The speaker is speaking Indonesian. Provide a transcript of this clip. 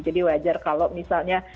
jadi wajar kalau misalnya